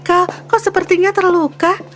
kau sepertinya terluka